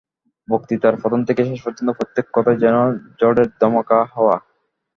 বক্তৃতার প্রথম থেকে শেষ পর্যন্ত প্রত্যেক কথায় যেন ঝড়ের দমকা হাওয়া।